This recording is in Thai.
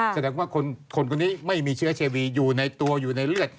แสดงว่าคนคนนี้ไม่มีเชื้อเชวีอยู่ในตัวอยู่ในเลือด